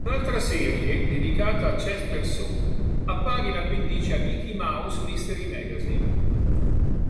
Un'altra serie, dedicata a Chester Soup, appare in appendice a "Mickey Mouse Mystery Magazine".